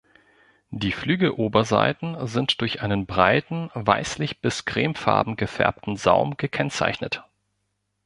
Die Flügeloberseiten sind durch einen breiten weißlich bis cremefarben gefärbten Saum gekennzeichnet.